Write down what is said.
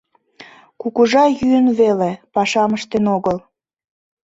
Кугыжа йӱын веле, пашам ыштен огыл.